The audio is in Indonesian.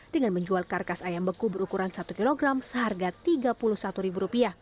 dengan menjual karkas ayam beku berukuran satu kg seharga rp tiga puluh satu